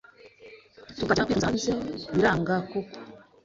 tukajya kwivuriza hanze biranga kuko